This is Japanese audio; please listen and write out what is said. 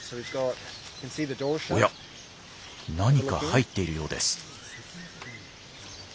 おや何か入っているようです。